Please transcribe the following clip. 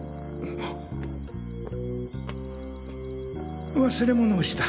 ハッ忘れ物をした。